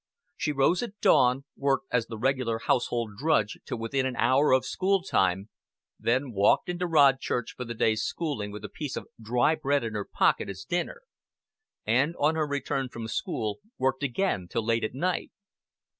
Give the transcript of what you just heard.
She rose at dawn, worked as the regular household drudge till within an hour of school time, then walked into Rodchurch for the day's schooling with a piece of dry bread in her pocket as dinner; and on her return from school worked again till late at night.